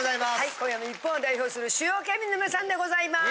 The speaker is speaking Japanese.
今夜も日本を代表する主要県民の皆さんでございます！